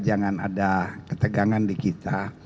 jangan ada ketegangan di kita